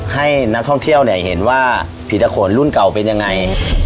ให้นักท่องเที่ยวเห็นว่าผิดตาขนรุ่นเก่าเป็นอย่างไร